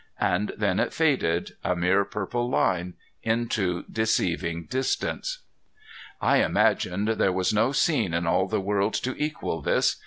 And then it faded, a mere purple line, into deceiving distance. I imagined there was no scene in all the world to equal this.